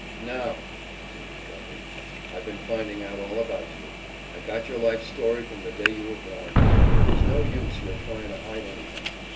"Now," continued Guffey, "I been finding out all about you, I got your life story from the day you were born, and there's no use your trying to hide anything.